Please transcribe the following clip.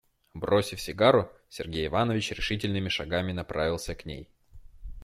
Бросив сигару, Сергей Иванович решительными шагами направился к ней.